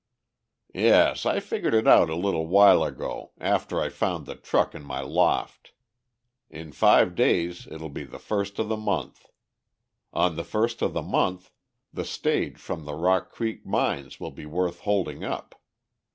"Yes. I figured it out a little while ago, after I found the truck in my loft. In five days it'll be the first of the month. On the first of the month the stage from the Rock Creek Mines will be worth holding up.